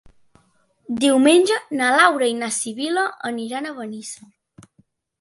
Diumenge na Laura i na Sibil·la aniran a Benissa.